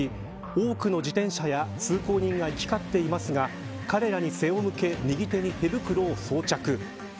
多くの自転車や通行人が行き交っていますが彼らに背を向け右手に手袋を装着。